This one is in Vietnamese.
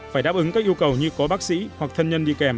phải đáp ứng các yêu cầu như có bác sĩ hoặc thân nhân đi kèm